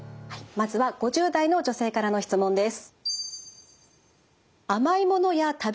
まずは５０代の女性からの質問です。